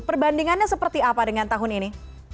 perbandingannya seperti apa dengan tahun ini